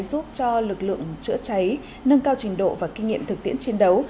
giúp cho lực lượng chữa cháy nâng cao trình độ và kinh nghiệm thực tiễn chiến đấu